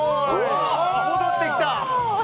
戻ってきた！